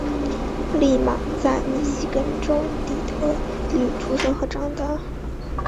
俪玛在密西根州底特律出生和长大。